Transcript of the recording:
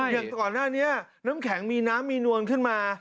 อย่างก่อนหน้านี้น้ำแข็งมีน้ำมีนวลขึ้นมา